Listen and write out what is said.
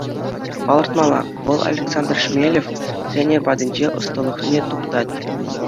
Палӑртмалла: вӑл Александр Шмелев тренер патӗнче ӑсталӑхне туптать.